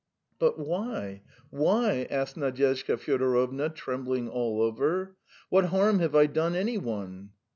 "But why, why?" asked Nadyezhda Fyodorovna, trembling all over. "What harm have I done any one?"